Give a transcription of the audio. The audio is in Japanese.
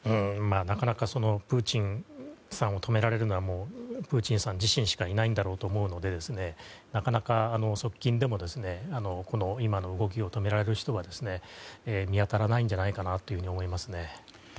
なかなかプーチンさんを止められるのはプーチンさん自身しかいないだろうと思うのでなかなか側近でも、今の動きを止められる人は見当たらないんじゃないかなと思いますね。